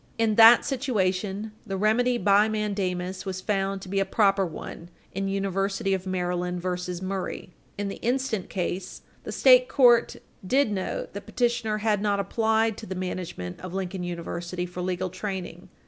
In that situation, the remedy by mandamus was found to be a proper one in University of Maryland v. Murray, supra. In the instant case, the state court did note that petitioner had not applied to the management of Lincoln University for legal training.